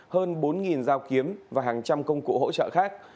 hơn bốn dao kiếm và hàng trăm công cụ hỗ trợ khác